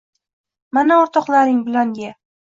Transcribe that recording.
Mana, o‘rtoqlaring bilan ye.